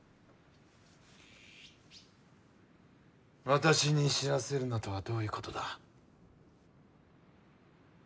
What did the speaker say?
私に知らせるなとはどういうことだ？